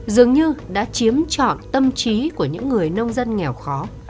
dường như đã chiếm trọn tâm trí của những người nông dân nghèo khó